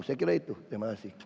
saya kira itu terima kasih